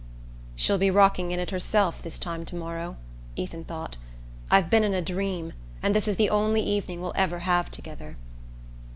"She'll be rocking in it herself this time to morrow," Ethan thought. "I've been in a dream, and this is the only evening we'll ever have together."